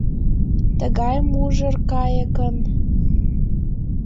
Тыгай мужыр кайыкын